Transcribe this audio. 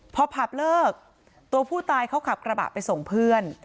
พอผับเลิกตัวผู้ตายเขาขับกระบะไปส่งเพื่อน